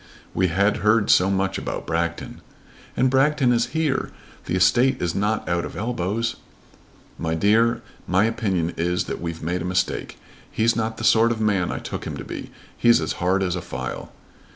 "We had heard so much about Bragton!" "And Bragton is here. The estate is not out of elbows." "My dear, my opinion is that we've made a mistake. He's not the sort of man I took him to be. He's as hard as a file."